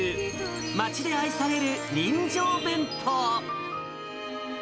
町で愛される人情弁当。